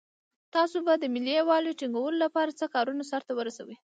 تاسو به د ملي یووالي ټینګولو لپاره څه کارونه سرته ورسوئ.